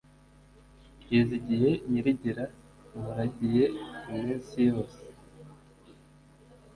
yizigiye nyirigira umuragiye iminsi yose